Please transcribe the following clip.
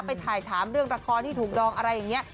ไปถ่ายถามเรื่องละครที่ถูกดองอะไรอย่างนี้